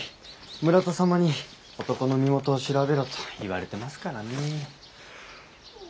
村田様に男の身元を調べろと言われてますからね。